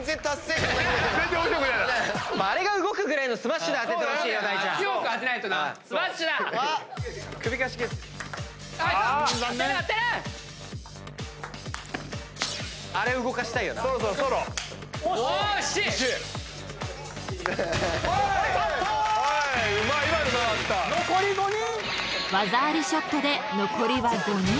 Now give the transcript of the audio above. ［技ありショットで残りは５人］